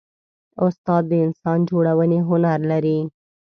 استاد د انسان جوړونې هنر لري.